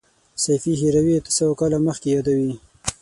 سیفي هروي اته سوه کاله مخکې یادوي.